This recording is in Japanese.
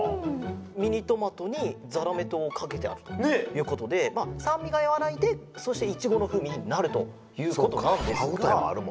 ミニトマトにザラメ糖をかけてあるということで酸味がやわらいでそしてイチゴの風味になるということなんですが。